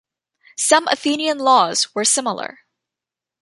Some Athenian laws were similar.